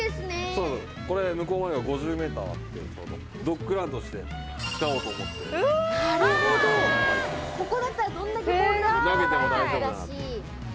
そうこれ向こうまでは５０ｍあってちょうどドッグランとして使おうと思ってなるほどここだったらどんだけボール投げても大丈夫だし投げても大丈夫なんでそうなんですゴー！